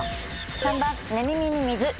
３番寝耳に水。